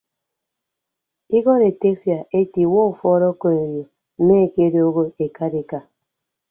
Ikọd etefia ete iwuọ ufuọd okoneyo mme ekedooho ekarika.